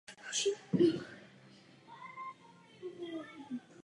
Filmovou roli ve filmové podobě této hry ale získal Paul Newman.